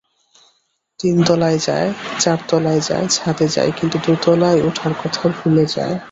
তিনতলায় যায়, চারতলায় যায়, ছাদে যায়, কিন্তু দোতলায় ওঠার কথা ভুলে যায়।